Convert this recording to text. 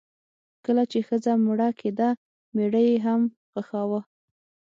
کله چې ښځه مړه کیده میړه یې هم خښاوه.